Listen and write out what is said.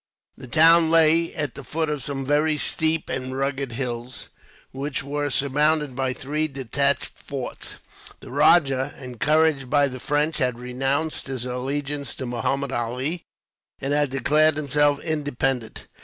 The town lay at the foot of some very steep and rugged hills, which were surmounted by three detached forts. The rajah, encouraged by the French, had renounced his allegiance to Muhammud Ali, and had declared himself independent.